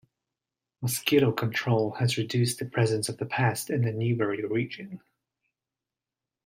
Mosquito control has reduced the presence of the pest in the Newbury region.